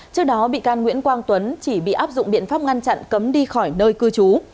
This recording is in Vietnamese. trước đó bị can nguyễn quang tuấn chỉ bị áp dụng biện pháp ngăn chặn cấm đi khỏi nơi cư trú